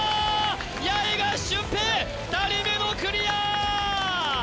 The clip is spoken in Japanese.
八重樫俊平２人目のクリア！